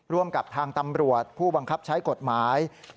กับทางตำรวจผู้บังคับใช้กฎหมาย